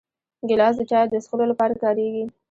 ګیلاس د چایو د څښلو لپاره کارېږي.